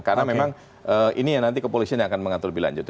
karena memang ini yang nanti kepolisian yang akan mengatur lebih lanjut